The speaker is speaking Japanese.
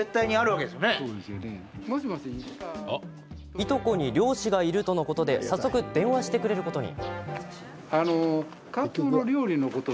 いとこに漁師がいるとのことで早速、電話してくれることに。